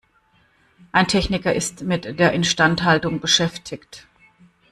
Ein Techniker ist mit der Instandhaltung beschäftigt.